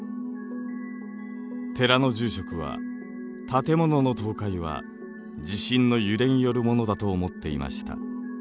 寺の住職は建物の倒壊は地震の揺れによるものだと思っていました。